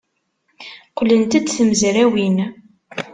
Qqlent-d tmezrawin.